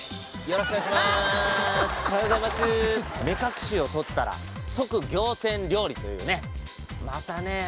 目隠しを取ったら即仰天料理というねまたね